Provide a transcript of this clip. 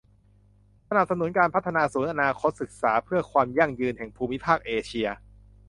สนับสนุนการพัฒนาศูนย์อนาคตศึกษาเพื่อความยั่งยืนแห่งภูมิภาคเอเชีย